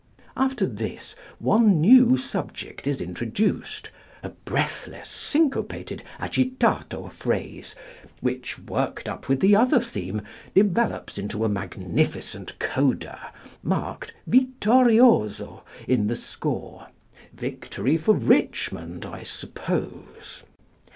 After this, one new subject is introduced a breathless, syncopated, agitato phrase, which, worked up with the other theme, develops into a magnificent coda, marked "vittorioso" in the score victory for Richmond, I suppose.